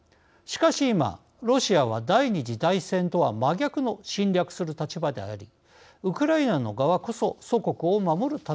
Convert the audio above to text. しかし今ロシアは第２次大戦とは真逆の侵略する立場でありウクライナの側こそ祖国を守る戦いです。